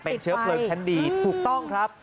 เป็นเชื้อเพลิงชั้นดีถูกต้องครับ